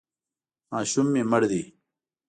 ماشوم مې مړ دی.